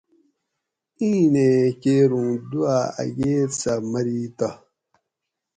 اِیں نیں کیر اُوں دُواۤ اکیت سہ مری تہ